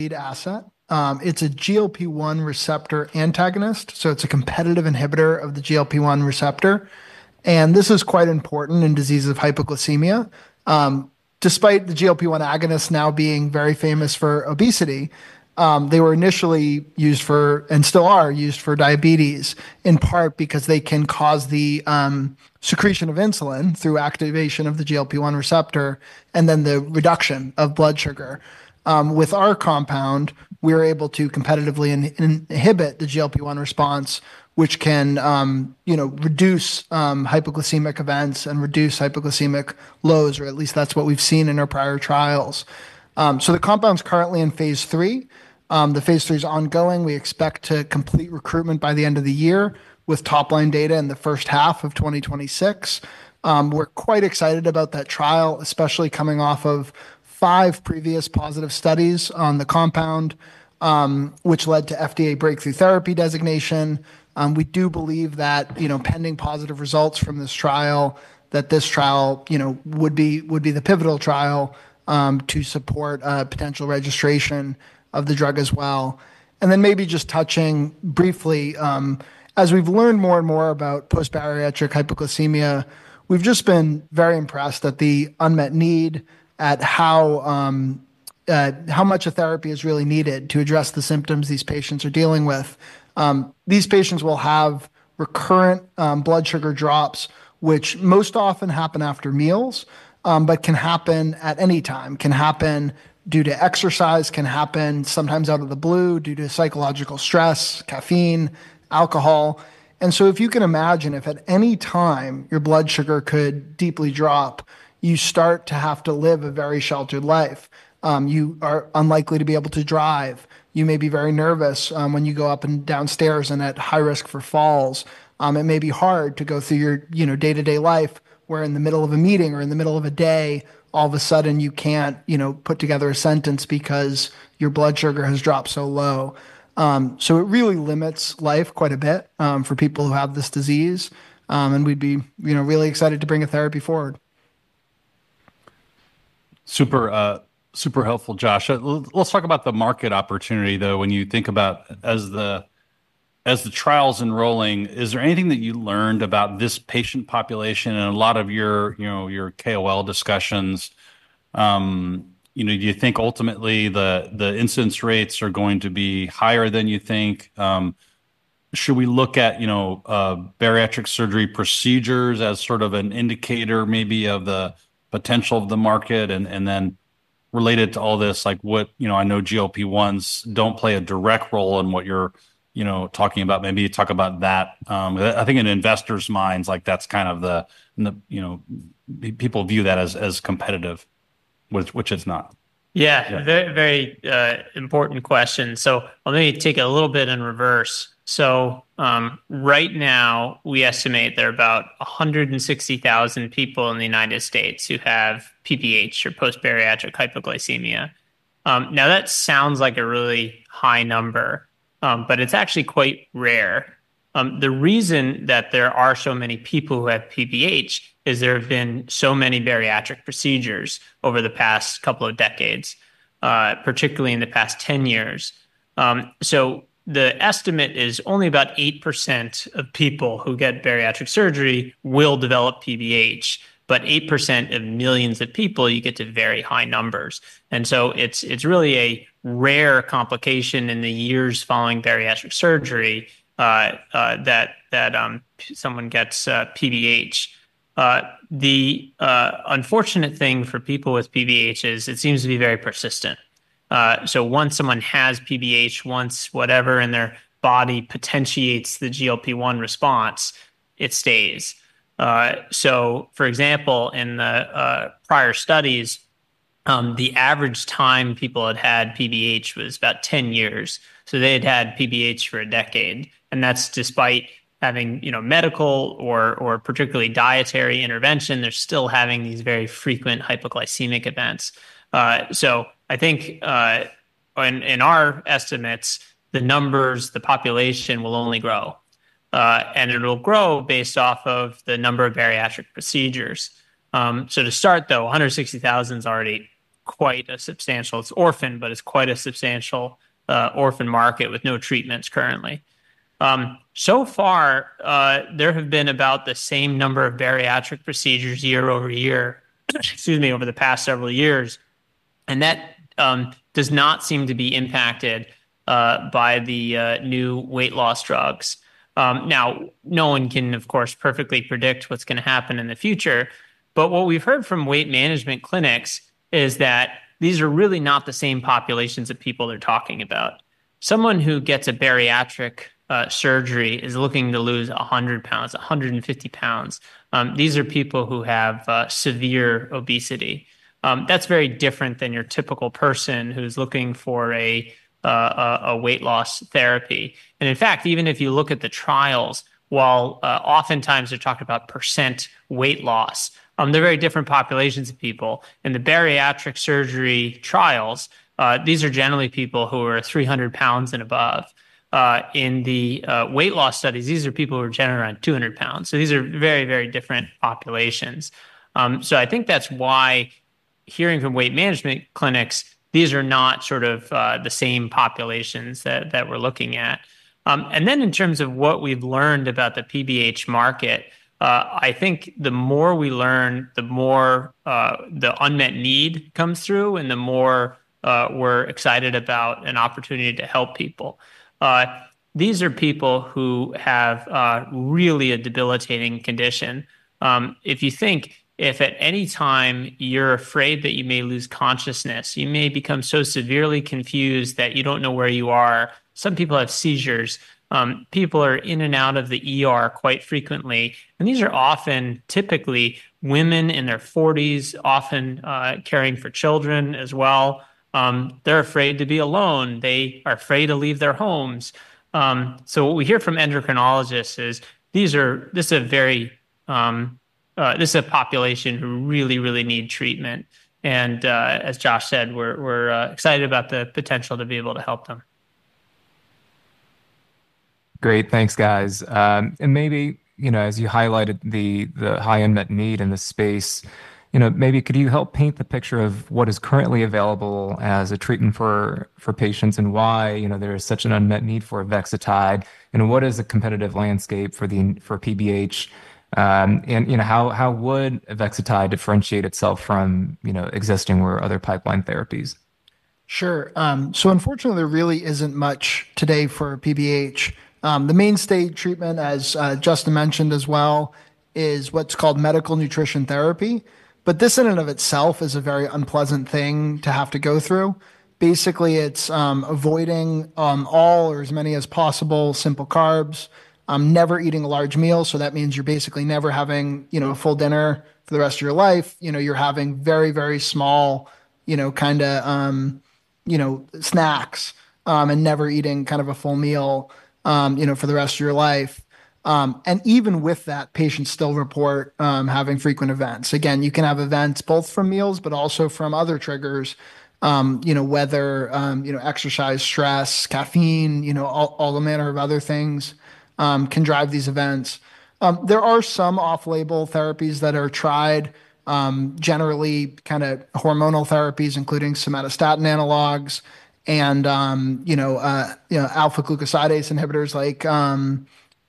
AIDA asset. It's a GLP-1 receptor antagonist, so it's a competitive inhibitor of the GLP-1 receptor. This is quite important in diseases of hypoglycemia. Despite the GLP-1 agonists now being very famous for obesity, they were initially used for, and still are, used for diabetes, in part because they can cause the secretion of insulin through activation of the GLP-1 receptor and then the reduction of blood sugar. With our compound, we are able to competitively inhibit the GLP-1 response, which can reduce hypoglycemic events and reduce hypoglycemic lows, or at least that's what we've seen in our prior trials. The compound's currently in Phase III is ongoing. We expect to complete recruitment by the end of the year with top-line data in the first half of 2026. We're quite excited about that trial, especially coming off of five previous positive studies on the compound, which led to FDA breakthrough therapy designation. We do believe that pending positive results from this trial, this trial would be the pivotal trial to support potential registration of the drug as well. Maybe just touching briefly, as we've learned more and more about post-bariatric hypoglycemia, we've just been very impressed at the unmet need, at how much of therapy is really needed to address the symptoms these patients are dealing with. These patients will have recurrent blood sugar drops, which most often happen after meals, but can happen at any time. Can happen due to exercise, can happen sometimes out of the blue due to psychological stress, caffeine, alcohol. If you can imagine if at any time your blood sugar could deeply drop, you start to have to live a very sheltered life. You are unlikely to be able to drive. You may be very nervous when you go up and down stairs and at high risk for falls. It may be hard to go through your day-to-day life where in the middle of a meeting or in the middle of a day, all of a sudden you can't put together a sentence because your blood sugar has dropped so low. It really limits life quite a bit for people who have this disease. We'd be really excited to bring a therapy forward. Super, super helpful, Josh. Let's talk about the market opportunity, though. When you think about as the trials are rolling, is there anything that you learned about this patient population and a lot of your KOL discussions? Do you think ultimately the incidence rates are going to be higher than you think? Should we look at bariatric surgery procedures as sort of an indicator maybe of the potential of the market? Related to all this, like what I know GLP-1s don't play a direct role in what you're talking about. Maybe you talk about that. I think in investors' minds, like that's kind of the, you know, people view that as competitive, which it's not. Yeah, very important question. Let me take it a little bit in reverse. Right now, we estimate there are about 160,000 people in the United States who have PBH or post-bariatric hypoglycemia. That sounds like a really high number, but it's actually quite rare. The reason that there are so many people who have PBH is there have been so many bariatric procedures over the past couple of decades, particularly in the past 10 years. The estimate is only about 8% of people who get bariatric surgery will develop PBH, but 8% of millions of people, you get to very high numbers. It's really a rare complication in the years following bariatric surgery that someone gets PBH. The unfortunate thing for people with PBH is it seems to be very persistent. Once someone has PBH, once whatever in their body potentiates the GLP-1 response, it stays. For example, in the prior studies, the average time people had had PBH was about 10 years. They had had PBH for a decade. That's despite having medical or particularly dietary intervention, they're still having these very frequent hypoglycemic events. I think in our estimates, the numbers, the population will only grow. It'll grow based off of the number of bariatric procedures. To start, though, 160,000 is already quite a substantial, it's orphan, but it's quite a substantial orphan market with no treatments currently. So far, there have been about the same number of bariatric procedures year over year over the past several years. That does not seem to be impacted by the new weight loss drugs. No one can, of course, perfectly predict what's going to happen in the future. What we've heard from weight management clinics is that these are really not the same populations of people they're talking about. Someone who gets a bariatric surgery is looking to lose 100 lbs, 150 lbs. These are people who have severe obesity. That's very different than your typical person who's looking for a weight loss therapy. In fact, even if you look at the trials, while oftentimes they're talking about percent weight loss, they're very different populations of people. In the bariatric surgery trials, these are generally people who are 300 lbs and above. In the weight loss studies, these are people who are generally around 200 lbs. These are very, very different populations. I think that's why hearing from weight management clinics, these are not the same populations that we're looking at. In terms of what we've learned about the PBH market, I think the more we learn, the more the unmet need comes through and the more we're excited about an opportunity to help people. These are people who have really a debilitating condition. If you think, if at any time you're afraid that you may lose consciousness, you may become so severely confused that you don't know where you are. Some people have seizures. People are in and out of the ER quite frequently. These are often typically women in their 40s, often caring for children as well. They're afraid to be alone. They are afraid to leave their homes. What we hear from endocrinologists is this is a population who really, really need treatment. As Josh said, we're excited about the potential to be able to help them. Great, thanks guys. Maybe, as you highlighted the high unmet need in the space, could you help paint the picture of what is currently available as a treatment for patients and why there is such an unmet need for avexitide and what is the competitive landscape for PBH, and how would avexitide differentiate itself from existing or other pipeline therapies? Sure. Unfortunately, there really isn't much today for PBH. The mainstay treatment, as Justin mentioned as well, is what's called medical nutrition therapy. This in and of itself is a very unpleasant thing to have to go through. Basically, it's avoiding all or as many as possible simple carbs, never eating large meals. That means you're basically never having, you know, a full dinner for the rest of your life. You're having very, very small, you know, kind of, you know, snacks and never eating kind of a full meal for the rest of your life. Even with that, patients still report having frequent events. You can have events both from meals, but also from other triggers, whether exercise, stress, caffeine, all the manner of other things can drive these events. There are some off-label therapies that are tried, generally kind of hormonal therapies, including somatostatin analogs and alpha-glucosidase inhibitors like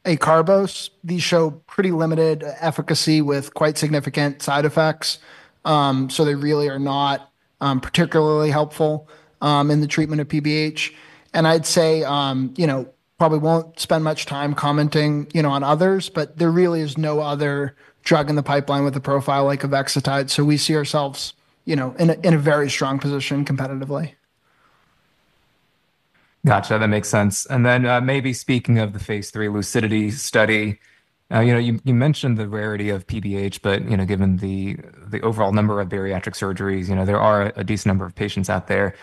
acarbose. These show pretty limited efficacy with quite significant side effects. They really are not particularly helpful in the treatment of PBH. I'd say probably won't spend much time commenting on others, but there really is no other drug in the pipeline with a profile like avexitide. We see ourselves in a very strong position competitively. Gotcha. That makes sense. Maybe speaking of the Phase III LUCIDITY study, you mentioned the rarity of PBH, but given the overall number of bariatric surgeries, there are a decent number of patients out there.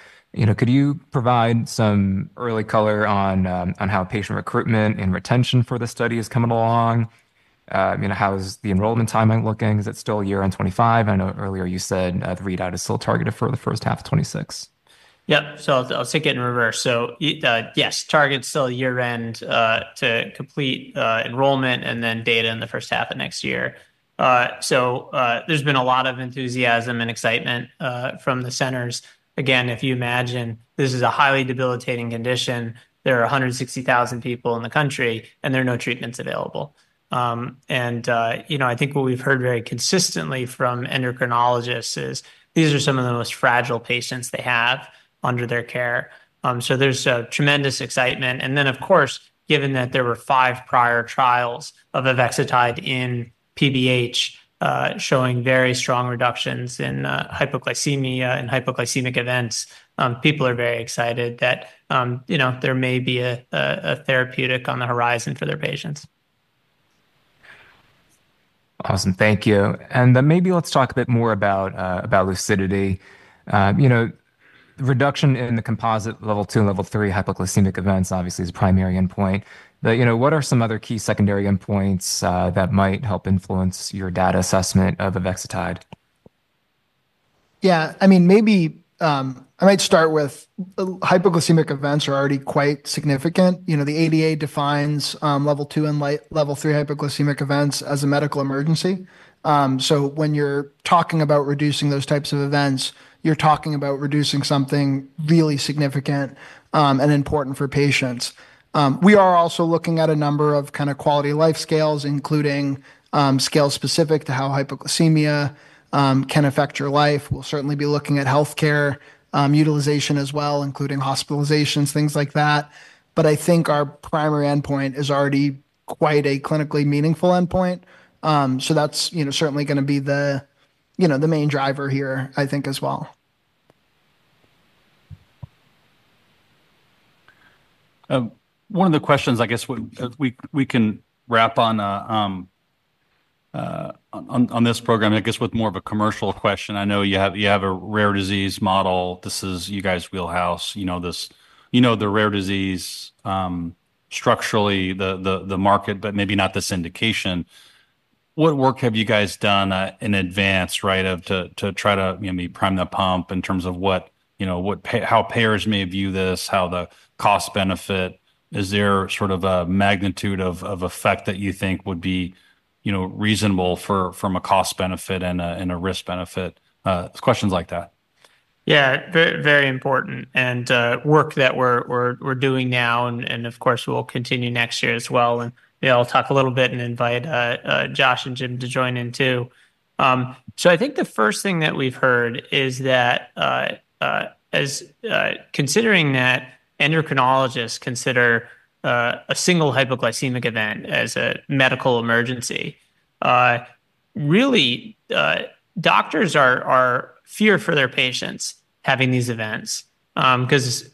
Could you provide some early color on how patient recruitment and retention for the study is coming along? How is the enrollment timing looking? Is it still a year-end 2025? I know earlier you said the readout is still targeted for the first half of 2026. Yep. I'll take it in reverse. Yes, target still a year-end to complete enrollment and then data in the first half of next year. There's been a lot of enthusiasm and excitement from the centers. If you imagine, this is a highly debilitating condition. There are 160,000 people in the country and there are no treatments available. I think what we've heard very consistently from endocrinologists is these are some of the most fragile patients they have under their care. There's tremendous excitement. Of course, given that there were five prior trials of avexitide in PBH showing very strong reductions in hypoglycemia and hypoglycemic events, people are very excited that there may be a therapeutic on the horizon for their patients. Awesome. Thank you. Maybe let's talk a bit more about the LUCIDITY study. You know, the reduction in the composite Level II and Level III hypoglycemic events obviously is a primary endpoint. What are some other key secondary endpoints that might help influence your data assessment of avexitide? I mean, maybe I might start with hypoglycemic events are already quite significant. The ADA defines Level II and Level III hypoglycemic events as a medical emergency. When you're talking about reducing those types of events, you're talking about reducing something really significant and important for patients. We are also looking at a number of kind of quality of life scales, including scale specific to how hypoglycemia can affect your life. We'll certainly be looking at healthcare utilization as well, including hospitalizations, things like that. I think our primary endpoint is already quite a clinically meaningful endpoint. That's certainly going to be the main driver here, I think, as well. One of the questions, I guess, we can wrap on this program with more of a commercial question. I know you have a rare disease model. This is you guys' wheelhouse. You know this, you know the rare disease structurally, the market, but maybe not this indication. What work have you guys done in advance to try to maybe prime the pump in terms of how payers may view this, how the cost-benefit, is there sort of a magnitude of effect that you think would be reasonable from a cost-benefit and a risk-benefit? Questions like that. Yeah, very important. Work that we're doing now, and of course we'll continue next year as well. I'll talk a little bit and invite Josh and Jim to join in too. I think the first thing that we've heard is that as considering that endocrinologists consider a single hypoglycemic event as a medical emergency, really doctors are feared for their patients having these events. The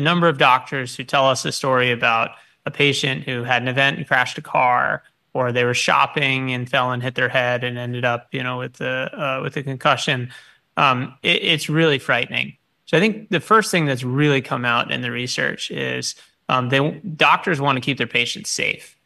number of doctors who tell us a story about a patient who had an event and crashed a car, or they were shopping and fell and hit their head and ended up with a concussion, it's really frightening. I think the first thing that's really come out in the research is that doctors want to keep their patients safe.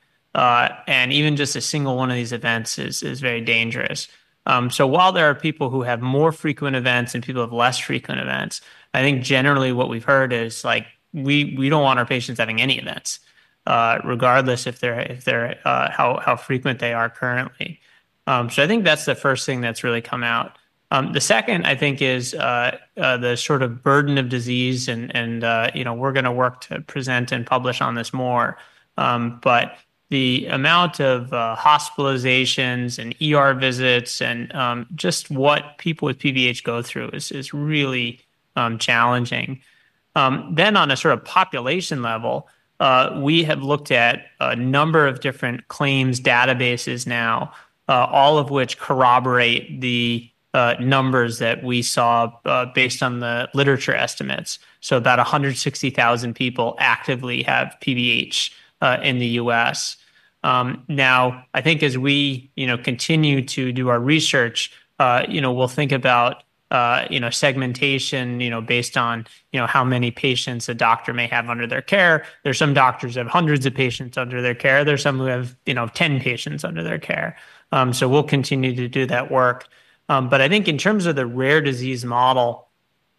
Even just a single one of these events is very dangerous. While there are people who have more frequent events and people who have less frequent events, I think generally what we've heard is we don't want our patients having any events, regardless of how frequent they are currently. I think that's the first thing that's really come out. The second, I think, is the sort of burden of disease. We're going to work to present and publish on this more. The amount of hospitalizations and visits and just what people with PBH go through is really challenging. On a population level, we have looked at a number of different claims databases now, all of which corroborate the numbers that we saw based on the literature estimates. About 160,000 people actively have PBH in the United States. As we continue to do our research, we'll think about segmentation, based on how many patients a doctor may have under their care. There are some doctors who have hundreds of patients under their care. There are some who have 10 patients under their care. We'll continue to do that work. I think in terms of the rare disease model,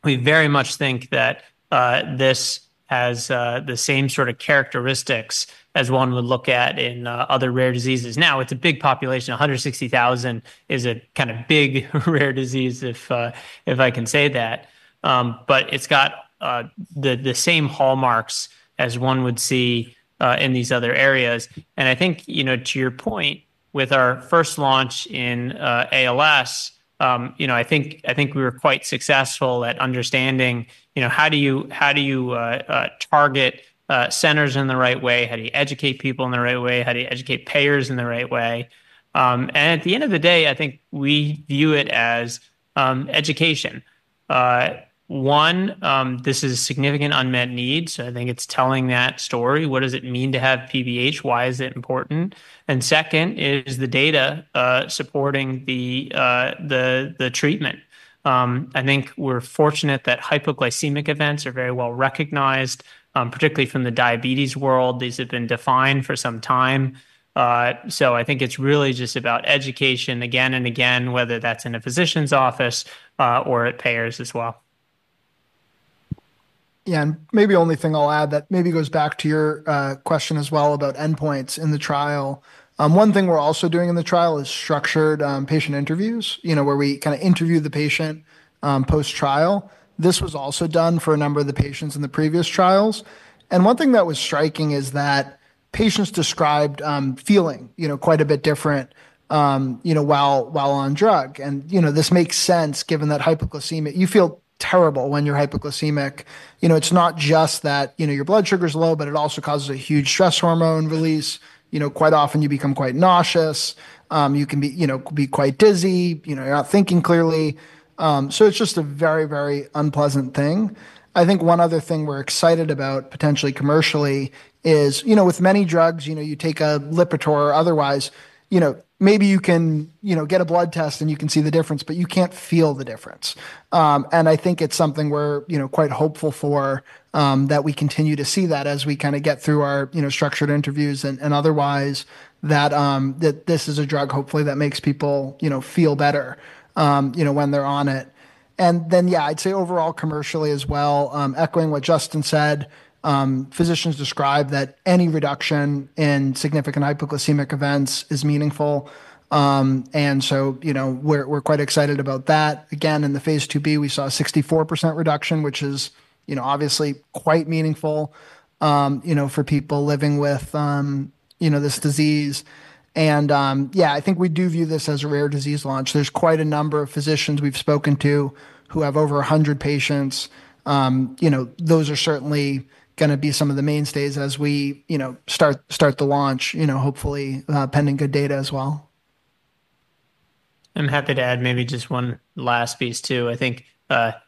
we very much think that this has the same sort of characteristics as one would look at in other rare diseases. It's a big population. 160,000 is a kind of big rare disease, if I can say that. It's got the same hallmarks as one would see in these other areas. To your point, with our first launch in ALS, I think we were quite successful at understanding how do you target centers in the right way, how do you educate people in the right way? How do you educate payers in the right way? At the end of the day, I think we view it as education. One, this is a significant unmet need. I think it's telling that story. What does it mean to have PBH? Why is it important? The second is the data supporting the treatment. I think we're fortunate that hypoglycemic events are very well recognized, particularly from the diabetes world. These have been defined for some time. I think it's really just about education again and again, whether that's in a physician's office or at payers as well. Yeah, and maybe the only thing I'll add that maybe goes back to your question as well about endpoints in the trial. One thing we're also doing in the trial is structured patient interviews, where we kind of interview the patient post-trial. This was also done for a number of the patients in the previous trials. One thing that was striking is that patients described feeling quite a bit different while on drug. This makes sense given that hypoglycemia, you feel terrible when you're hypoglycemic. It's not just that your blood sugar's low, but it also causes a huge stress hormone release. Quite often you become quite nauseous. You can be quite dizzy. You're not thinking clearly. It's just a very, very unpleasant thing. I think one other thing we're excited about potentially commercially is, with many drugs, you take a Lipitor or otherwise, maybe you can get a blood test and you can see the difference, but you can't feel the difference. I think it's something we're quite hopeful for that we continue to see that as we get through our structured interviews and otherwise, that this is a drug hopefully that makes people feel better when they're on it. I'd say overall commercially as well, echoing what Justin said, physicians describe that any reduction in significant hypoglycemic events is meaningful. We're quite excited about that. Again, in the Phase IIb, we saw a 64% reduction, which is obviously quite meaningful for people living with this disease. I think we do view this as a rare disease launch. There's quite a number of physicians we've spoken to who have over 100 patients. Those are certainly going to be some of the mainstays as we start the launch, hopefully pending good data as well. I'm happy to add maybe just one last piece too. I think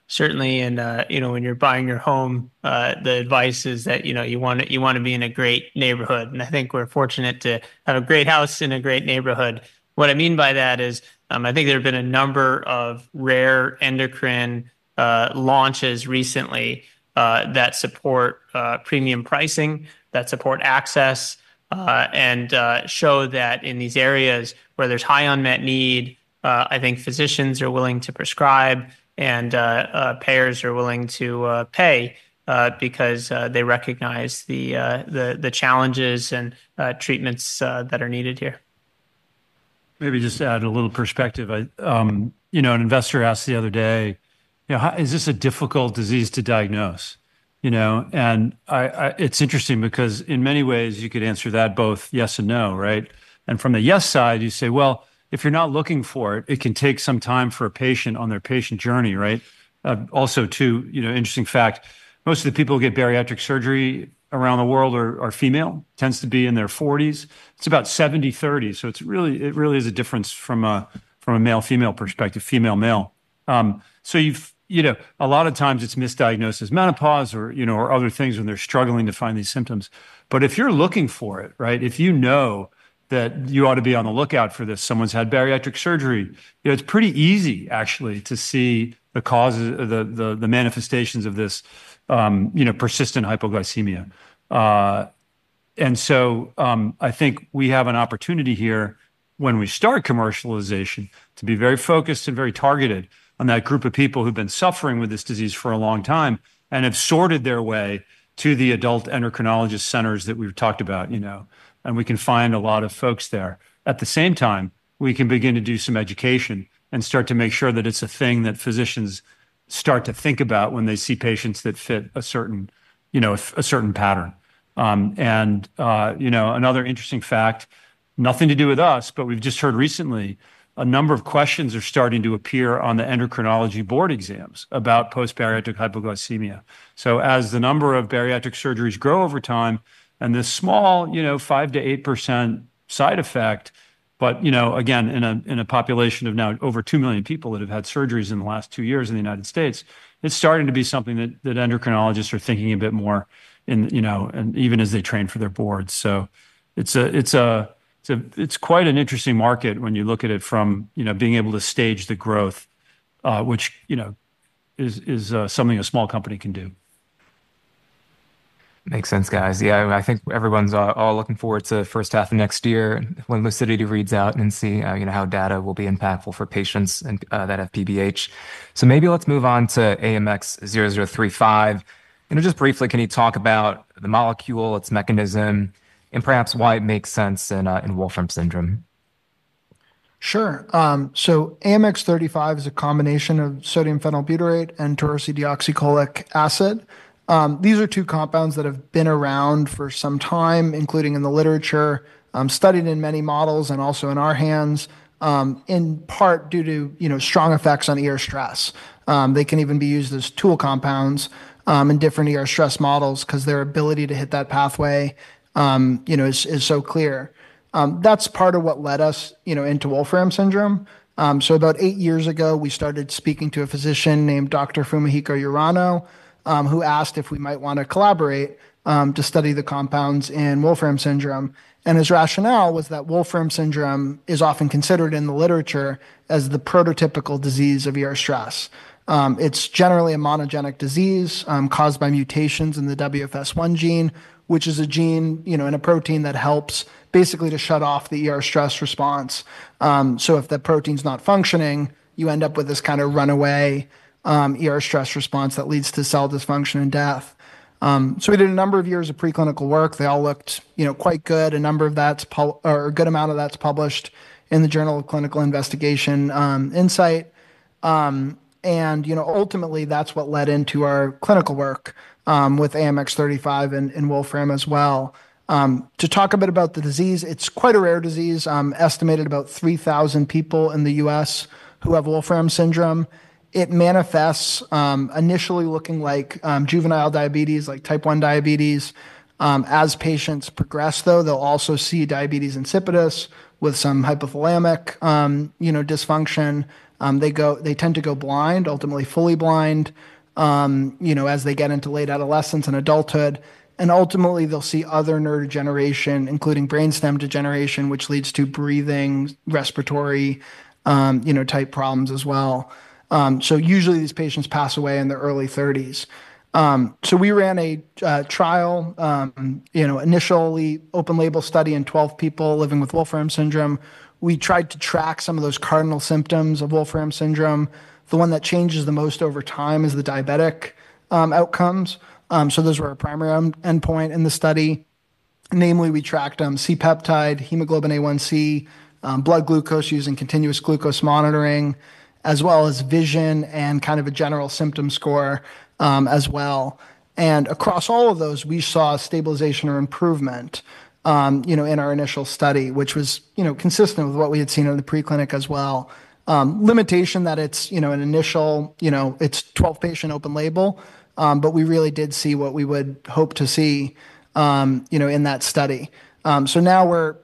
certainly, when you're buying your home, the advice is that you want to be in a great neighborhood. I think we're fortunate to have a great house in a great neighborhood. What I mean by that is I think there have been a number of rare endocrine launches recently that support premium pricing, that support access, and show that in these areas where there's high unmet need, physicians are willing to prescribe and payers are willing to pay because they recognize the challenges and treatments that are needed here. Maybe just to add a little perspective, you know, an investor asked the other day, you know, is this a difficult disease to diagnose? It's interesting because in many ways you could answer that both yes and no, right? From the yes side, you say, if you're not looking for it, it can take some time for a patient on their patient journey, right? Also, too, interesting fact, most of the people who get bariatric surgery around the world are female, tends to be in their 40s. It's about 70-30. It really is a difference from a male-female perspective, female-male. A lot of times it's misdiagnosed as menopause or other things when they're struggling to find these symptoms. If you're looking for it, if you know that you ought to be on the lookout for this, someone's had bariatric surgery, it's pretty easy actually to see the causes of the manifestations of this persistent hypoglycemia. I think we have an opportunity here when we start commercialization to be very focused and very targeted on that group of people who've been suffering with this disease for a long time and have sorted their way to the adult endocrinologist centers that we've talked about, and we can find a lot of folks there. At the same time, we can begin to do some education and start to make sure that it's a thing that physicians start to think about when they see patients that fit a certain pattern. Another interesting fact, nothing to do with us, but we've just heard recently a number of questions are starting to appear on the endocrinology board exams about post-bariatric hypoglycemia. As the number of bariatric surgeries grow over time and this small, you know, 5% to 8% side effect, but again, in a population of now over two million people that have had surgeries in the last two years in the United States, it's starting to be something that endocrinologists are thinking a bit more in, even as they train for their boards. It's quite an interesting market when you look at it from being able to stage the growth, which is something a small company can do. Makes sense, guys. Yeah, I think everyone's all looking forward to the first half of next year when LUCIDITY reads out and see, you know, how data will be impactful for patients and that have PBH. Maybe let's move on to AMX0035. You know, just briefly, can you talk about the molecule, its mechanism, and perhaps why it makes sense in Wolfram syndrome? Sure. So AMX0035 is a combination of sodium phenylbutyrate and taurursodiol. These are two compounds that have been around for some time, including in the literature, studied in many models and also in our hands, in part due to, you know, strong effects on stress. They can even be used as tool compounds in different stress models because their ability to hit that pathway, you know, is so clear. That's part of what led us, you know, into Wolfram syndrome. About eight years ago, we started speaking to a physician named Dr. Fumihiko Yurano, who asked if we might want to collaborate to study the compounds in Wolfram syndrome. His rationale was that Wolfram syndrome is often considered in the literature as the prototypical disease of stress. It's generally a monogenic disease caused by mutations in the WFS1 gene, which is a gene, you know, in a protein that helps basically to shut off the stress response. If that protein's not functioning, you end up with this kind of runaway stress response that leads to cell dysfunction and death. We did a number of years of preclinical work. They all looked, you know, quite good. A number of that's published, or a good amount of that's published in the Journal of Clinical Investigation Insight. Ultimately that's what led into our clinical work with AMX0035 and Wolfram as well. To talk a bit about the disease, it's quite a rare disease, estimated about 3,000 people in the U.S. who have Wolfram syndrome. It manifests initially looking like juvenile diabetes, like type 1 diabetes. As patients progress, they'll also see diabetes insipidus with some hypothalamic, you know, dysfunction. They tend to go blind, ultimately fully blind, you know, as they get into late adolescence and adulthood. Ultimately they'll see other neurodegeneration, including brainstem degeneration, which leads to breathing, respiratory, you know, type problems as well. Usually these patients pass away in their early 30s. We ran a trial, you know, initially open-label study in 12 people living with Wolfram syndrome. We tried to track some of those cardinal symptoms of Wolfram syndrome. The one that changes the most over time is the diabetic outcomes. Those were our primary endpoint in the study. Namely, we tracked C-peptide, hemoglobin A1C, blood glucose using continuous glucose monitoring, as well as vision and kind of a general symptom score as well. Across all of those, we saw stabilization or improvement in our initial study, which was consistent with what we had seen in the preclinic as well. Limitation that it's an initial 12-patient open label, but we really did see what we would hope to see in that study. Now we're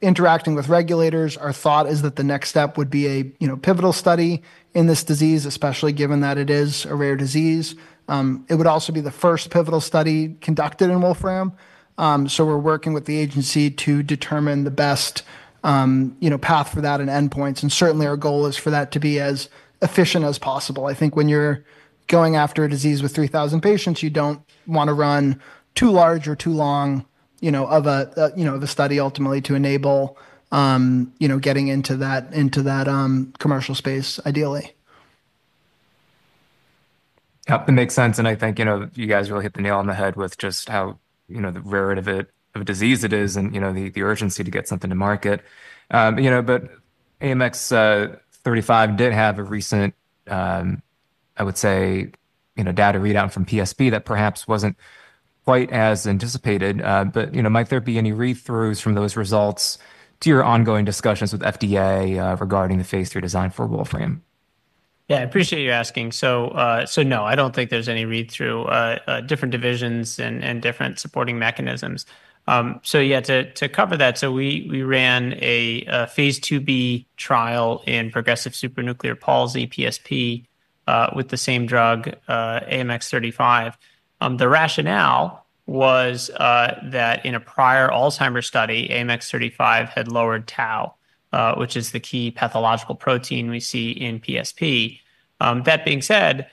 interacting with regulators. Our thought is that the next step would be a pivotal study in this disease, especially given that it is a rare disease. It would also be the first pivotal study conducted in Wolfram. We're working with the agency to determine the best path for that and endpoints. Certainly our goal is for that to be as efficient as possible. I think when you're going after a disease with 3,000 patients, you don't want to run too large or too long of a study ultimately to enable getting into that commercial space ideally. Yeah, that makes sense. I think you guys really hit the nail on the head with just how the rarity of a disease it is and the urgency to get something to market. AMX0035 did have a recent, I would say, data readout from PSP that perhaps wasn't quite as anticipated. Might there be any read-throughs from those results to your ongoing discussions with the FDA regarding the Phase III design for Wolfram? I appreciate you asking. No, I don't think there's any read-through, different divisions and different supporting mechanisms. To cover that, we ran a Phase IIb trial in progressive supranuclear palsy, PSP, with the same drug, AMX0035. The rationale was that in a prior Alzheimer's study, AMX0035 had lowered tau, which is the key pathological protein we see in PSP. That being said,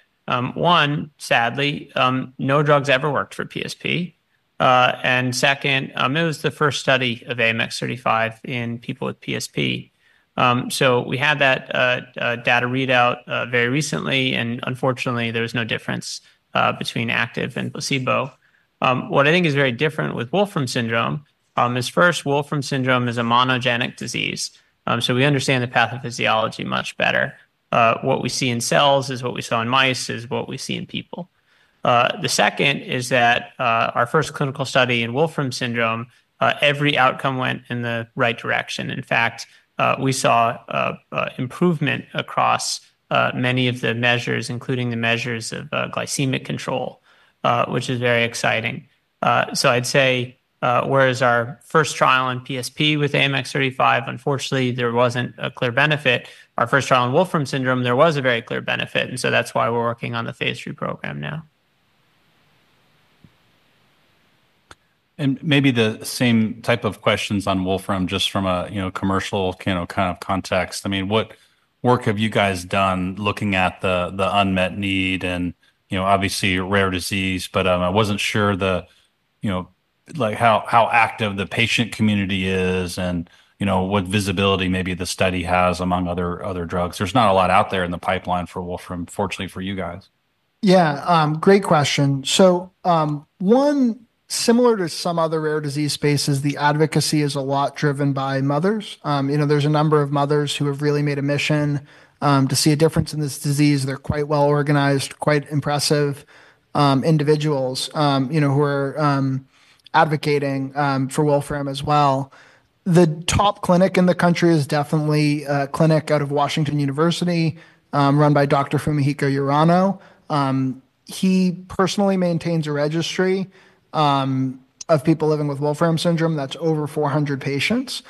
sadly, no drugs ever worked for PSP. It was the first study of AMX0035 in people with PSP. We had that data readout very recently, and unfortunately, there was no difference between active and placebo. What I think is very different with Wolfram syndrome is, first, Wolfram syndrome is a monogenic disease. We understand the pathophysiology much better. What we see in cells is what we saw in mice is what we see in people. The second is that our first clinical study in Wolfram syndrome, every outcome went in the right direction. In fact, we saw improvement across many of the measures, including the measures of glycemic control, which is very exciting. I'd say, whereas our first trial in PSP with AMX0035, unfortunately, there wasn't a clear benefit, our first trial in Wolfram syndrome, there was a very clear benefit. That's why we're working on the Phase III program now. Maybe the same type of questions on Wolfram, just from a commercial kind of context. I mean, what work have you guys done looking at the unmet need and, obviously a rare disease, but I wasn't sure how active the patient community is and what visibility maybe the study has among other drugs. There's not a lot out there in the pipeline for Wolfram, fortunately for you guys. Yeah, great question. One, similar to some other rare disease spaces, the advocacy is a lot driven by mothers. There are a number of mothers who have really made a mission to see a difference in this disease. They're quite well organized, quite impressive individuals who are advocating for Wolfram as well. The top clinic in the country is definitely a clinic out of Washington University run by Dr. Fumihiko Urano. He personally maintains a registry of people living with Wolfram syndrome that's over 400 patients.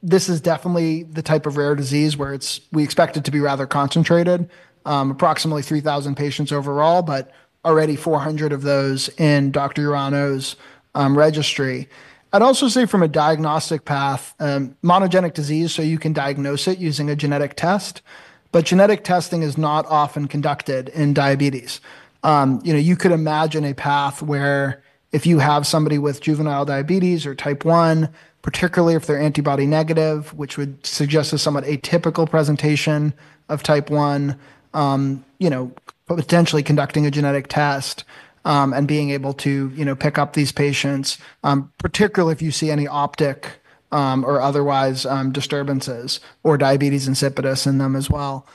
This is definitely the type of rare disease where we expect it to be rather concentrated, approximately 3,000 patients overall, but already 400 of those in Dr. Urano's registry. From a diagnostic path, monogenic disease, so you can diagnose it using a genetic test. Genetic testing is not often conducted in diabetes. You could imagine a path where if you have somebody with juvenile diabetes or type 1, particularly if they're antibody negative, which would suggest a somewhat atypical presentation of type 1, potentially conducting a genetic test and being able to pick up these patients, particularly if you see any optic or otherwise disturbances or diabetes insipidus in them as well.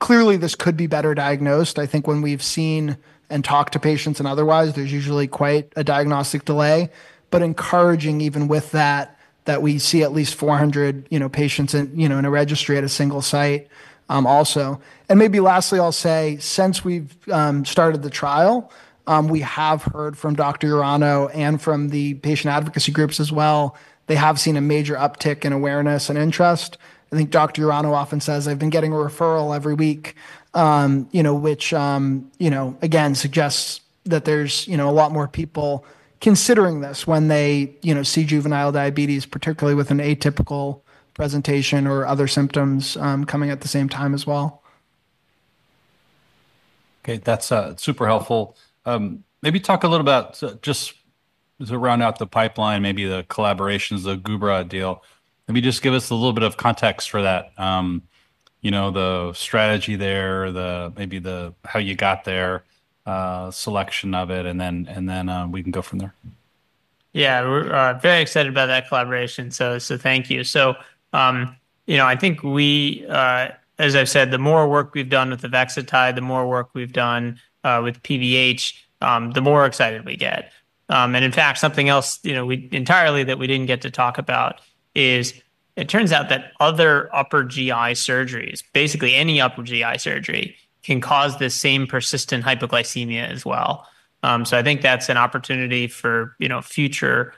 Clearly this could be better diagnosed. When we've seen and talked to patients and otherwise, there's usually quite a diagnostic delay. Encouraging even with that, that we see at least 400 patients in a registry at a single site also. Lastly, since we've started the trial, we have heard from Dr. Urano and from the patient advocacy groups as well. They have seen a major uptick in awareness and interest. Dr. Urano often says, "I've been getting a referral every week," which again suggests that there's a lot more people considering this when they see juvenile diabetes, particularly with an atypical presentation or other symptoms coming at the same time as well. Okay, that's super helpful. Maybe talk a little about, just to round out the pipeline, maybe the collaborations, the Gubra deal. Maybe just give us a little bit of context for that, the strategy there, maybe how you got there, selection of it, and then we can go from there. Yeah, we're very excited about that collaboration. Thank you. I think we, as I've said, the more work we've done with avexitide, the more work we've done with PBH, the more excited we get. In fact, something else entirely that we didn't get to talk about is it turns out that other upper GI surgeries, basically any upper GI surgery, can cause the same persistent hypoglycemia as well. I think that's an opportunity for future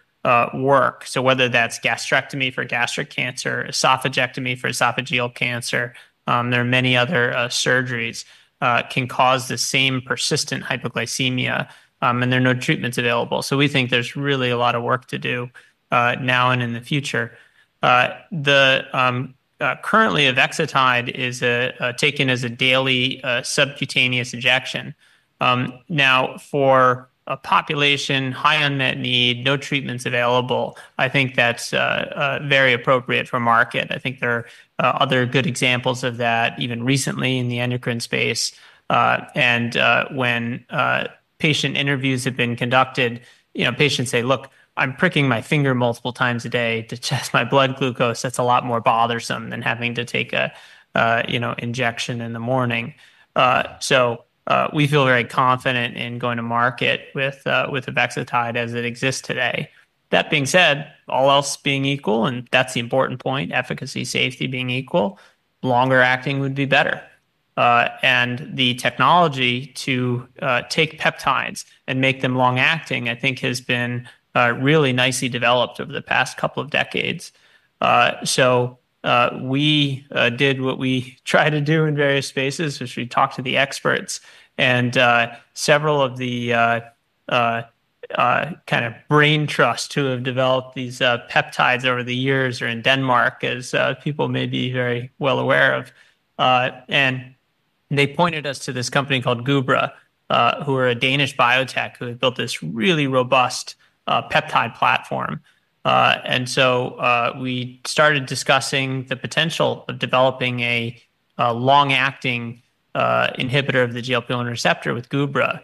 work. Whether that's gastrectomy for gastric cancer or esophagectomy for esophageal cancer, there are many other surgeries that can cause the same persistent hypoglycemia, and there are no treatments available. We think there's really a lot of work to do now and in the future. Currently, avexitide is taken as a daily subcutaneous injection. For a population high on that need, no treatments available, I think that's very appropriate for market. I think there are other good examples of that even recently in the endocrine space. When patient interviews have been conducted, patients say, "Look, I'm pricking my finger multiple times a day to test my blood glucose. That's a lot more bothersome than having to take a, you know, injection in the morning." We feel very confident in going to market with avexitide as it exists today. That being said, all else being equal, and that's the important point, efficacy and safety being equal, longer acting would be better. The technology to take peptides and make them long acting, I think, has been really nicely developed over the past couple of decades. We did what we try to do in various spaces, which is talk to the experts, and several of the kind of brain trusts who have developed these peptides over the years are in Denmark, as people may be very well aware of. They pointed us to this company called Gubra, who are a Danish biotech who had built this really robust peptide platform. We started discussing the potential of developing a long-acting inhibitor of the GLP-1 receptor with Gubra.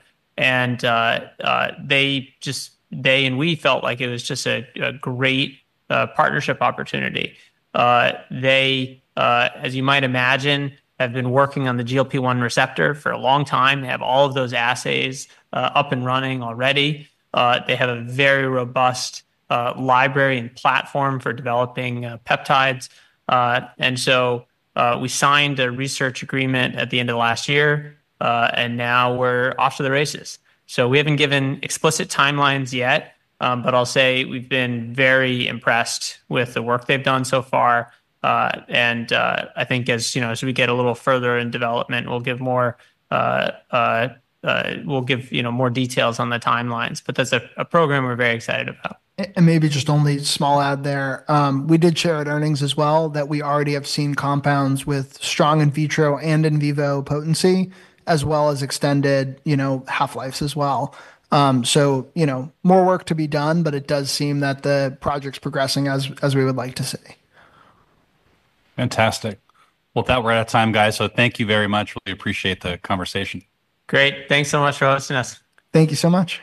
They and we felt like it was just a great partnership opportunity. They, as you might imagine, have been working on the GLP-1 receptor for a long time. They have all of those assays up and running already. They have a very robust library and platform for developing peptides. We signed a research agreement at the end of last year, and now we're off to the races. We haven't given explicit timelines yet, but I'll say we've been very impressed with the work they've done so far. I think as we get a little further in development, we'll give more details on the timelines. That's a program we're very excited about. Maybe just a small add there, we did show at earnings as well that we already have seen compounds with strong in vitro and in vivo potency, as well as extended half-lives as well. More work to be done, but it does seem that the project's progressing as we would like to see. Fantastic. We're out of time, guys. Thank you very much. Really appreciate the conversation. Great. Thanks so much for listening to us. Thank you so much.